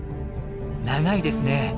長いですね。